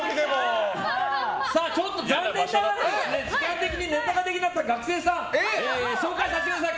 ちょっと残念ながら時間的にネタができなかった学生さん、紹介させてください。